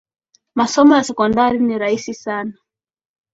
Masomo ya sekondari ni rahisi sana